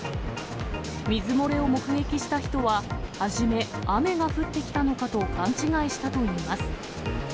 水漏れを目撃した人は、初め、雨が降ってきたのかと勘違いしたといいます。